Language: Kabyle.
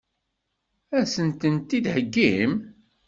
Ad sen-tent-id-theggim?